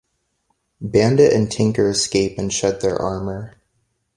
Bandit and Tinker escape and shed their armor.